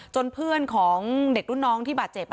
เพื่อนของเด็กรุ่นน้องที่บาดเจ็บ